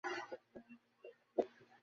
আপনারা বলিয়া থাকেন, আত্মা আছেন।